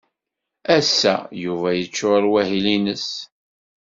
Ass-a, Yuba yeccuṛ wahil-nnes.